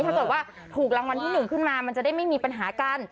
ถ้าเกิดว่าถูกรางวัลที่๑ขึ้นมามันจะได้ไม่มีปัญหากัน